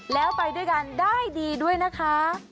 แล้วไปด้วยกันได้ดีด้วยนะคะ